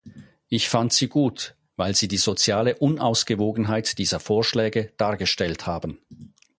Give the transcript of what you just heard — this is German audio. Ich fand sie gut, weil Sie die soziale Unausgewogenheit dieser Vorschläge dargestellt haben.